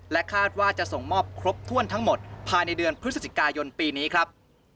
คาดว่าจะส่งมอบครบถ้วนทั้งหมดภายในเดือนพฤศจิกายนปีนี้ครับ